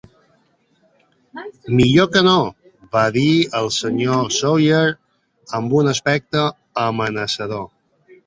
"Millor que no!", va dir el Sr. Sawyer amb un aspecte amenaçador.